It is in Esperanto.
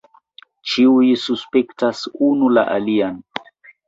Ĉiuj suspektas unu la alian.